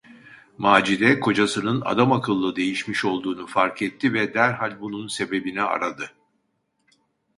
Macide kocasının adamakıllı değişmiş olduğunu fark etti ve derhal bunun sebebini aradı.